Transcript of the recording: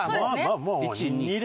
１２。